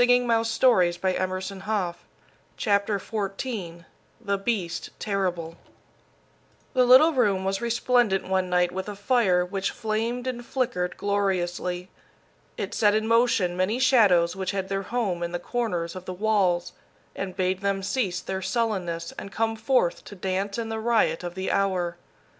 [Illustration: The Beast Terrible] THE BEAST TERRIBLE The little room was resplendent one night with a fire which flamed and flickered gloriously. It set in motion many shadows which had their home in the corners of the walls, and bade them cease their sullenness and come forth to dance in the riot of the hour.